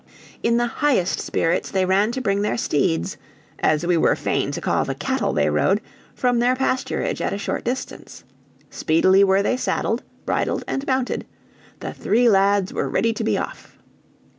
In the highest spirits they ran to bring their steeds (as we were fain to call the cattle they rode) from their pasturage at a short distance. Speedily were they saddled, bridled, and mounted the three lads were ready to be off.